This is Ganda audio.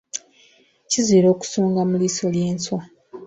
Kizira okusonga mu liiso ly’enswa.